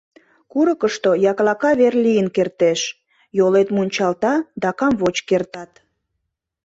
Курыкышто яклака вер лийын кертеш, йолет мунчалта да камвоч кертат.